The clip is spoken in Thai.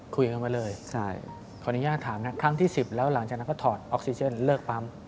คุยกันไว้เลยใช่ขออนุญาตถามนะครั้งที่๑๐แล้วหลังจากนั้นก็ถอดออกซิเจนเลิกปั๊ม